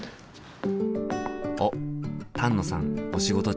おっ丹野さんお仕事中。